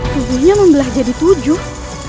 tujuhnya membelah jadi tujuh